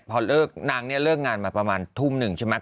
พอเอิ้งนางเลิกงานมาประมาณทุ่ม๑ใช่ไหม